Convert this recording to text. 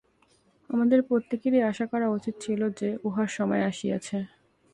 আমাদের প্রত্যেকেরই আশা করা উচিত ছিল যে, উহার সময় আসিয়াছে।